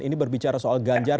ini berbicara soal ganjar